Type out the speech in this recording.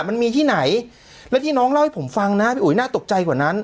มันมีที่ไหนและที่น้องเล่าให้ผมฟังนะพี่อุ๋ยน่าตกใจกว่านั้น